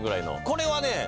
これはね